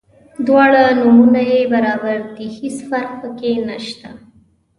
دواړه نومونه یې برابر دي هیڅ فرق په کې نشته.